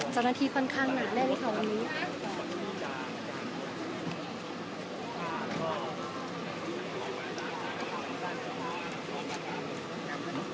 เจ้าหน้าที่ฟังข้างหนาได้นะคะวันนี้